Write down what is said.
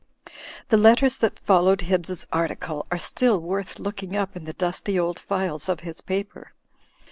The letters that followed Hibbs's article are still worth looking up in the dusty old files of his paper.